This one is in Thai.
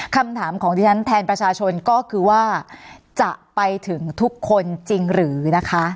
คำถามของที่ฉันแทนประชาชนก็คือว่าจะไปถึงทุกคนจริงหรือนะคะ